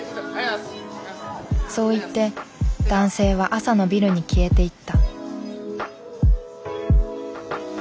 そう言って男性は朝のビルに消えていった。